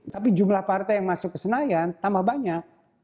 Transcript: tapi jumlah partai yang masuk ke senayan tambah banyak